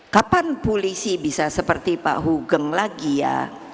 kapan polisi bisa seperti pak hugeng lagi ya